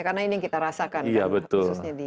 karena ini yang kita rasakan kan khususnya di